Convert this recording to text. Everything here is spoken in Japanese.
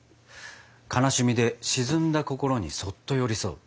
悲しみで沈んだ心にそっと寄り添う。